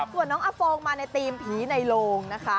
ส่วนน้องอโฟงมาในธีมผีในโลงนะคะ